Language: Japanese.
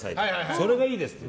それがいいですと。